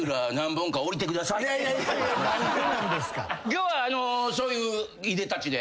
今日はそういういでたちで。